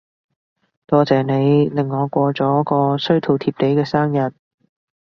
多謝你令我過咗個衰到貼地嘅生日